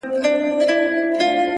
اوس دي لا د حسن مرحله راغلې نه ده؛